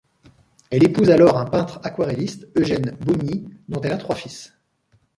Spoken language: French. Elle épouse alors un peintre aquarelliste, Eugène Baugnies, dont elle a trois fils.